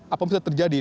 apa bisa terjadi